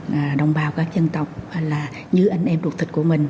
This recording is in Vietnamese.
và đồng bào các dân tộc là như anh em ruột thịt của mình